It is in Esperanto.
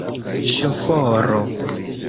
Ŝoforo!